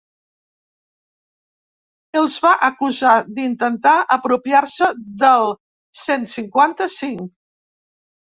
Els va acusar d’intentar ‘apropiar-se’ del cent cinquanta-cinc.